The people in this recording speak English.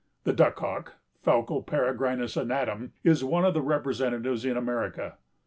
The duck hawk (Falco peregrinus anatum) is one of the representatives in America.